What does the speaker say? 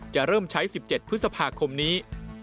จะเริ่มใช้๑๗พฤษภาคมนี้